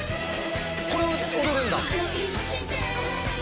これは踊れるんだ。